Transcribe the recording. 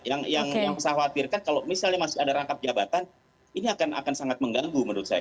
yang saya khawatirkan kalau misalnya masih ada rangkap jabatan ini akan sangat mengganggu menurut saya